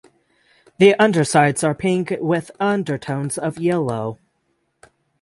The undersides are pink with undertones of yellow.